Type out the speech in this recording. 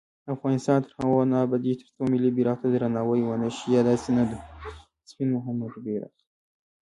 افغانستان تر هغو نه ابادیږي، ترڅو ملي بیرغ ته درناوی ونشي.